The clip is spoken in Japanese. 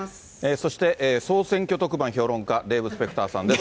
そして総選挙特番評論家、デーブ・スペクターさんです。